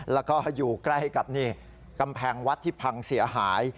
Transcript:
แล้วก็อยู่ใกล้กับกำแพงวัดที่พังเสียหาย